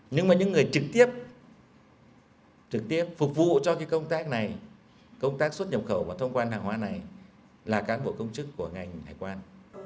nhưng mà những người trực tiếp trực tiếp phục vụ cho cái công tác này công tác xuất nhập khẩu và thông quan hàng hóa này là cán bộ công chức của ngành hải quan